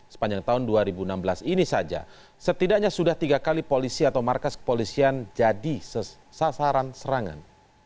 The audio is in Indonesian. sepanjang tahun dua ribu enam belas ini saja setidaknya sudah tiga kali polisi atau markas kepolisian jadi sasaran serangan